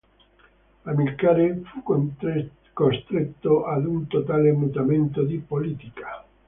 Amilcare fu costretto ad un totale mutamento di politica.